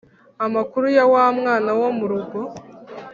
amakuru ya wa mwana wo murugo